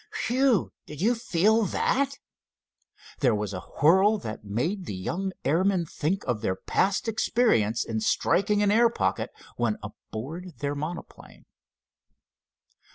"Whew! did you feel that!" There was a whirl that made the young airmen think of their past experience in striking an air pocket when aboard their monoplane.